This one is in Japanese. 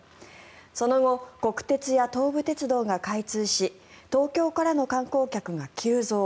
その後、国鉄や東武鉄道が開通し東京からの観光客が急増。